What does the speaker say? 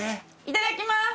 いただきます！